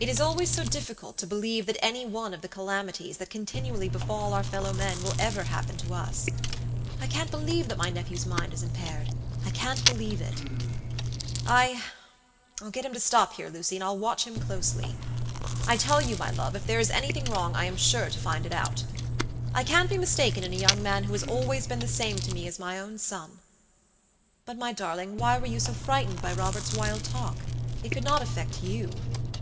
"It is always so difficult to believe that any one of the calamities that continually befall our fellow men will ever happen to us. I can't believe that my nephew's mind is impairedI can't believe it. II'll get him to stop here, Lucy, and I'll watch him closely. I tell you, my love, if there is anything wrong I am sure to find it out. I can't be mistaken in a young man who has always been the same to me as my own son. But, my darling, why were you so frightened by Robert's wild talk? It could not affect you."